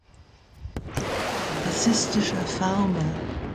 Rassistischer Farmer.